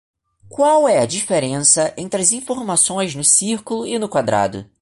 Qual é a diferença entre as informações no círculo e no quadrado?